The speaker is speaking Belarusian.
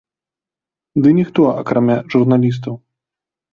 Ды ніхто, акрамя журналістаў!